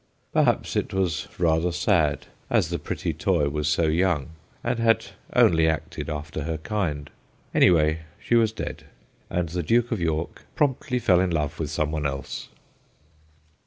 Perhaps it was rather sad, as the pretty toy was so young, and had only acted after her kind. Anyhow, she was dead, and the Duke of York promptly fell in love with some one else.